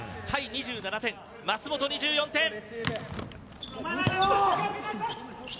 甲斐、２７点舛本、２４点。